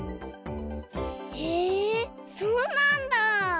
へえそうなんだ。